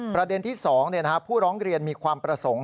ประเด็นที่๒ผู้ร้องเรียนมีความประสงค์